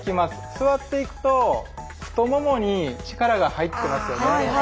座っていくと太ももに力が入ってますよね。